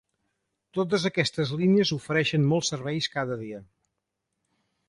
Totes aquestes línies ofereixen molts serveis cada dia.